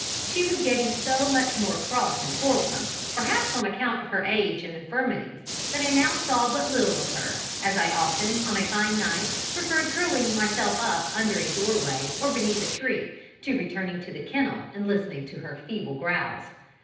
She was getting so much more cross and quarrelsome, perhaps on account of her age and infirmities, that I now saw but little of her, as I often, on a fine night, preferred curling myself up under a doorway or beneath a tree, to returning to the kennel and listening to her feeble growls.